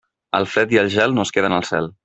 El fred i el gel no es queden al cel.